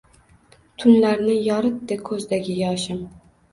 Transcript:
Tunlarni yoritdi ko’zdagi yoshim.